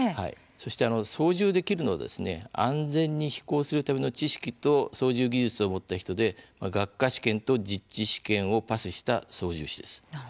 そして操縦できるのは安全に飛行するための知識と操縦技術を持った人で学科試験と実地試験をパスした操縦士です。